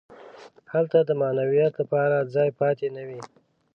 هلته د معنویت لپاره ځای پاتې نه وي.